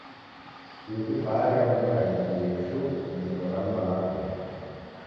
Ihi bahari yaw'onekana ipoie shuu ngelo ra luma lwa kenyi.